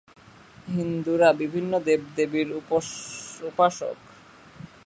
হিন্দুরা বিভিন্ন দেব-দেবীর উপাসক।